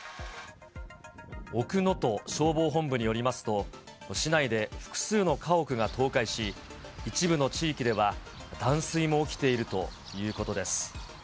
奥能登消防本部によりますと、市内で複数の家屋が倒壊し、一部の地域では断水も起きているということです。